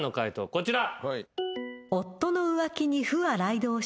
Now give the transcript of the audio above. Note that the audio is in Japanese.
こちら。